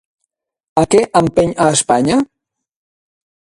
A què empeny a Espanya?